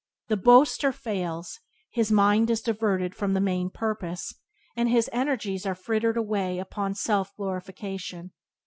The boaster fails; his mind is diverted from the main purpose; and his energies are frittered away upon self glorification.